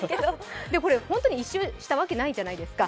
これ本当に一周したわけないじゃないですか。